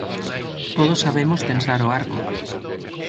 Todos sabemos tensar o arco.